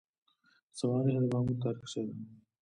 سوانح د مامور تاریخچه ده